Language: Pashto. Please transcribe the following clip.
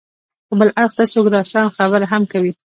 که بل اړخ ته څوک راسا خبره هم کوي.